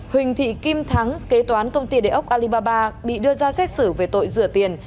huỳnh thị kim thắng kế toán công ty địa ốc alibaba bị đưa ra xét xử về tội rửa tiền